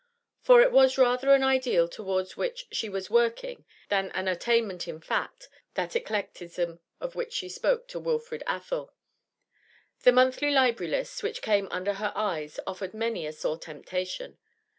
For it was rather an ideal towards which she was working than an attainment in fact, that eclecticism of which she spoke to Wilfrid Athel. The monthly library lists which came under her eyes offered many a sore temptation.